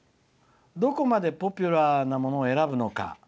どこまでポピュラーなものを選ぶのか。